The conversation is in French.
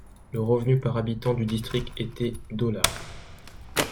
Le revenu par habitant du district était $.